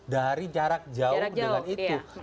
dari jarak jauh dengan itu